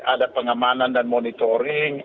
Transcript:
ada pengemanan dan monitoring